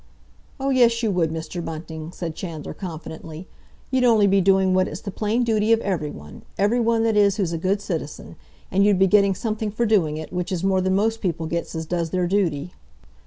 "Oh, yes, you would, Mr. Bunting," said Chandler confidently. "You'd only be doing what it's the plain duty of everyone—everyone, that is, who's a good citizen. And you'd be getting something for doing it, which is more than most people gets as does their duty."